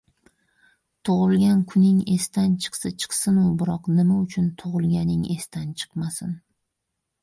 Tug‘ilgan kuning esdan chiqsa chiqsinu, biroq nima uchun tug‘ilganing esdan chiqmasin.